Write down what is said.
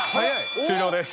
終了です。